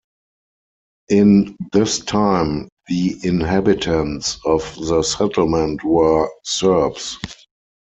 In this time, the inhabitants of the settlement were Serbs.